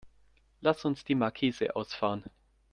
Lass uns die Markise ausfahren.